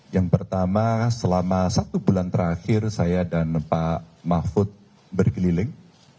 yang pertama selama satu bulan terakhir saya dan pak mahfud berkeliling